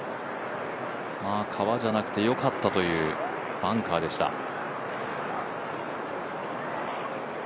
川じゃなくてよかったというバンカーでした。